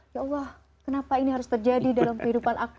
ya allah kenapa ini harus terjadi dalam kehidupan aku